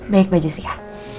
baik mbak jessica